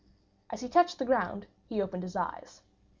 As he touched the ground, he opened his eyes.